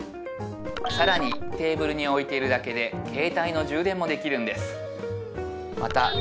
更にテーブルに置いているだけで携帯の充電もできるんですまた